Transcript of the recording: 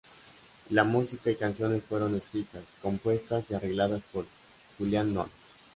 La música y canciones fueron escritas, compuestas y arregladas por Julian Nott.